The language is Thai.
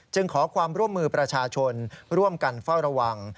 ขอความร่วมมือประชาชนร่วมกันเฝ้าระวัง